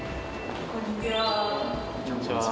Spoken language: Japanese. こんにちは。